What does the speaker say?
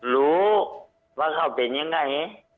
รู้ว่าเขาเป็นยังไง